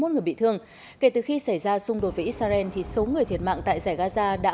người bị thương kể từ khi xảy ra xung đột với israel số người thiệt mạng tại giải gaza đã